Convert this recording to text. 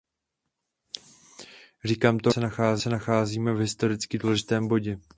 Říkám to, protože se nacházíme v historicky důležitém bodě.